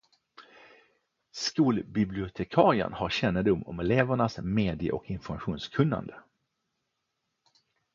Skolbibliotekarien har kännedom om elevernas medie- och informationskunnande.